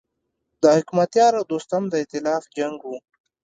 د حکمتیار او دوستم د ایتلاف جنګ و.